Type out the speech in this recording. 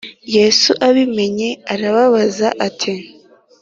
Yesu abimenye arababaza ati